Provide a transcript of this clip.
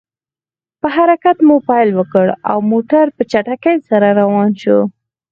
په حرکت مو پیل وکړ، او موټر په چټکۍ سره روان شو.